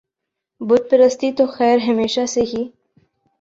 بت پرستی تو خیر ہمیشہ سے ہی